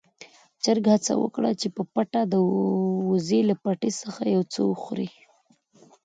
چرګ هڅه وکړه چې په پټه د وزې له پټي څخه يو څه وخوري.